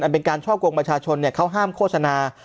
เป็นการช่อกงประชาชนเขาห้ามโฆษณา